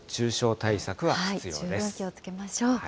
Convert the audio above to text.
十分気をつけましょう。